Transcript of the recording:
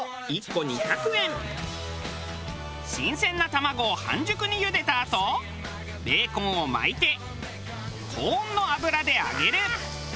新鮮な卵を半熟にゆでたあとベーコンを巻いて高温の油で揚げる。